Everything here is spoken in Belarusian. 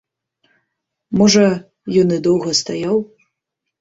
Можа, ён і доўга стаяў.